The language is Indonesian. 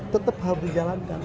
tetap harus dijalankan